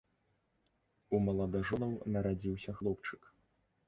У маладажонаў нарадзіўся хлопчык.